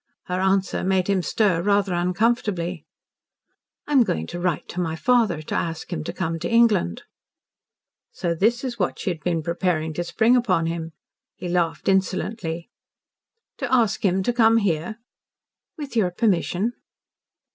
Her answer made him stir rather uncomfortably. "I am going to write to my father to ask him to come to England." So this was what she had been preparing to spring upon him. He laughed insolently. "To ask him to come here?" "With your permission."